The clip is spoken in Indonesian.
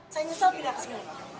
saya nyesel pindah ke sini